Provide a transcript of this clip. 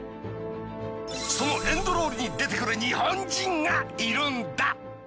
そのエンドロールに出てくる日本人がいるんだ。